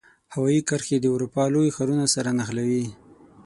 هوایي کرښې د اروپا لوی ښارونو سره نښلوي.